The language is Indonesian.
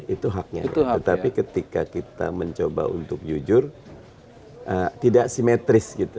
itu haknya tetapi ketika kita mencoba untuk jujur tidak simetris gitu